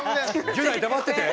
ギュナイ黙ってて！